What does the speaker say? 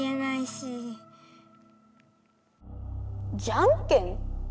じゃんけん？